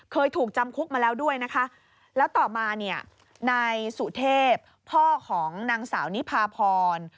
เคยถูกจำคุกมาแล้วด้วยนะคะแล้วต่อมาเนี่ยนายสุเทพพ่อของนางสาวนิพาพร